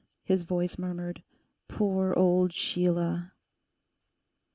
his voice murmured, 'Poor old Sheila!